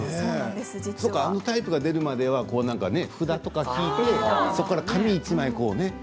あのタイプが出るまでは札とか木とか紙１枚でね。